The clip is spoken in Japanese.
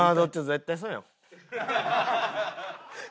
絶対そう。